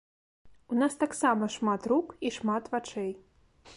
У нас таксама шмат рук і шмат вачэй.